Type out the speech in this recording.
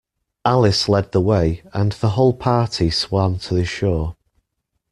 Alice led the way, and the whole party swam to the shore.